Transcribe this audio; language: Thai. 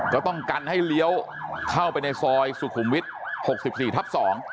ก็ต้องกันให้เลี้ยวเข้าไปในซอยสุขุมวิทย์๖๔ทับ๒